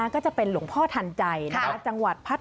ก็จะเป็นหลวงพ่อทันใจนะคะ